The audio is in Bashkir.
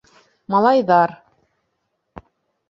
Малайҙар: